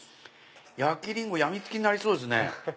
焼きリンゴ病みつきになりそうですね。